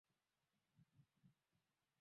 asanji na kabila mashtaka ya ubakaji nchini humo